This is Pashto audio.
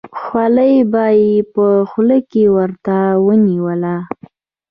خولۍ به یې په خوله کې ورته ونیوله.